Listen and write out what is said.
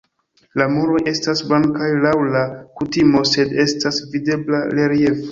La muroj estas blankaj laŭ la kutimo, sed estas videbla reliefo.